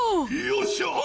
よっしゃ！